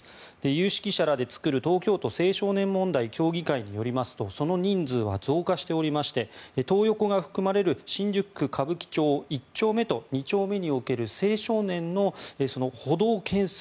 有識者らで作る東京都青少年問題協議会によりますとその人数は増加しておりましてトー横が含まれる新宿区歌舞伎町１丁目と２丁目における青少年の補導件数